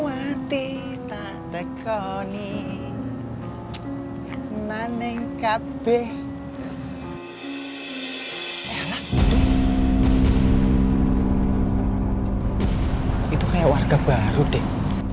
itu kayak warga baru deh